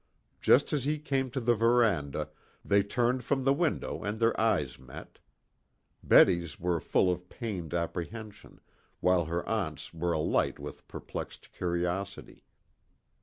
Just as he came to the veranda they turned from the window and their eyes met. Betty's were full of pained apprehension, while her aunt's were alight with perplexed curiosity.